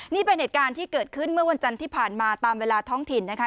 นี่เป็นเหตุการณ์ที่เกิดขึ้นเมื่อวันจันทร์ที่ผ่านมาตามเวลาท้องถิ่นนะคะ